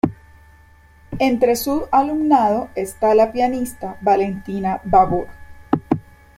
Entre su alumnado está la pianista Valentina Babor.